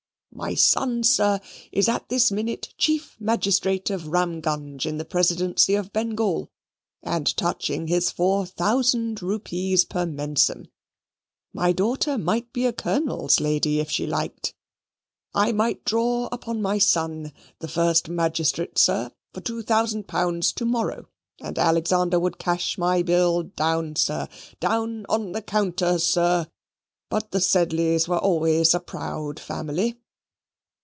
"My son, sir, is at this minute chief magistrate of Ramgunge in the Presidency of Bengal, and touching his four thousand rupees per mensem. My daughter might be a Colonel's lady if she liked. I might draw upon my son, the first magistrate, sir, for two thousand pounds to morrow, and Alexander would cash my bill, down sir, down on the counter, sir. But the Sedleys were always a proud family."